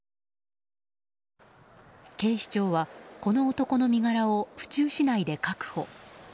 警視庁はこの男の身柄を府中市内で確保。